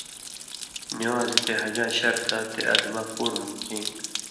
نِوان٘ز یی تے حَجاں شرطہ تے اَدمہ پُور ہون کھیں۔